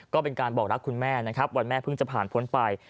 ก็เป็นการบอกรักคุณแม่นะครับวันแม่เพิ่งจะผ่านพ้นไป